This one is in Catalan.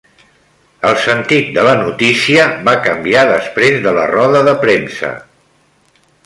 El sentit de la notícia va canviar després de la roda de premsa.